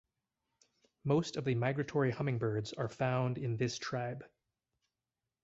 Most of the migratory hummingbirds are found in this tribe.